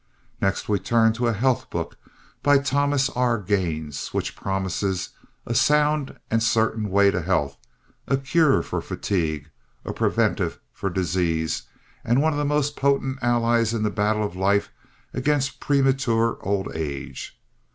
Next we turned to a health book by Thomas R. Gaines which promised "a sound and certain way to health, a cure for fatigue, a preventive for disease and one of the most potent allies in the battle of life against premature old age."